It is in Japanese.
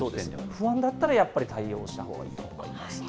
不安だったらやっぱり対応したほうがいいと思います。